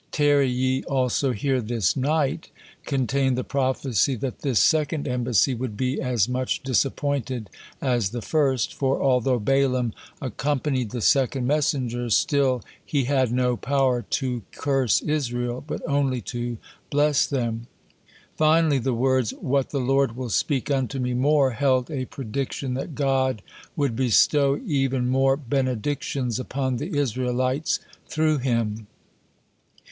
"Tarry ye also here this night," contained the prophecy that this second embassy would be as much disappointed as the first, for although Balaam accompanied the second messengers, still he had no power to curse Israel, but only to bless them. Finally, the words, "What the Lord will speak unto me more," held a prediction that God would bestow even more benedictions upon the Israelites through him.